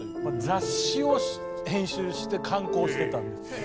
雑誌を編集して刊行してたんです。